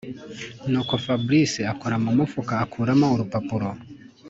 nuko fabric akora mumufuka akuramo urupapuro